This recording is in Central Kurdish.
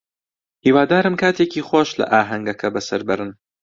هیوادارم کاتێکی خۆش لە ئاهەنگەکە بەسەر بەرن.